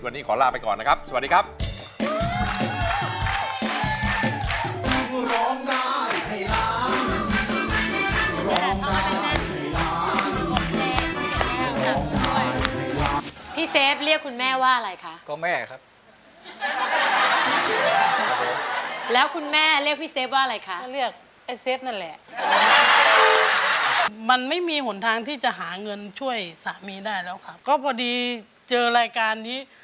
วันนี้ขอลาไปก่อนนะครับสวัสดีครับ